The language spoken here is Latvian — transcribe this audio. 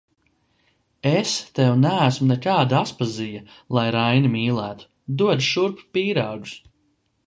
Es tev neesmu nekāda Aspazija, lai Raini mīlētu, dod šurp pīrāgus!